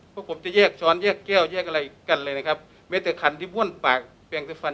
เพราะผมจะแยกช้อนแยกแก้วแยกอะไรกันเลยนะครับไม่แต่ขันที่บ้วนปากแปลงที่ฟัน